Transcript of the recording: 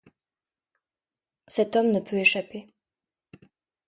Cet homme ne peut échapper.